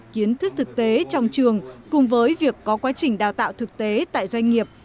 kiến thức thực tế trong trường cùng với việc có quá trình đào tạo thực tế tại doanh nghiệp